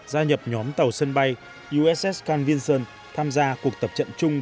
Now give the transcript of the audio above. gia nhập nhóm tàu sân bay uss can vinson tham gia cuộc tập trận chung